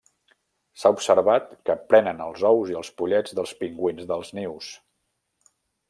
S'ha observat que prenen els ous i els pollets de pingüins dels nius.